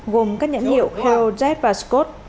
gồm các nhãn hiệu hero jet và scott